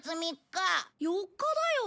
４日だよ！